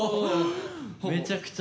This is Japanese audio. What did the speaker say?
めちゃくちゃ。